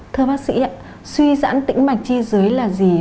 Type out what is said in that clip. thưa bác sĩ ạ suy giãn tĩnh mạch chi dưới là gì